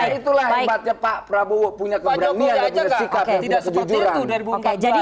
nah itulah yang maksudnya pak prabowo punya keberanian dan sikap yang tidak sejujuran